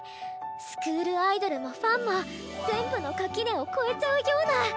スクールアイドルもファンも全部の垣根を越えちゃうような！